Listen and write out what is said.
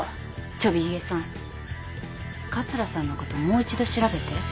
ちょび髭さん桂さんのこともう一度調べて